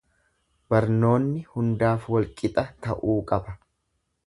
Barnoonni hundaaf wal-qixa ta'uu qaba.